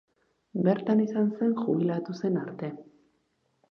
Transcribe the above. Bertan izan zen, jubilatu zen arte.